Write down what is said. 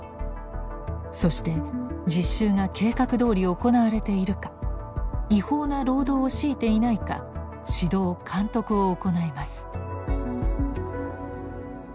そして実習が計画どおり行われているか違法な労働を強いていないか指導監督を行います。